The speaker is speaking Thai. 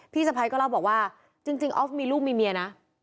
สะพ้ายก็เล่าบอกว่าจริงออฟมีลูกมีเมียนะ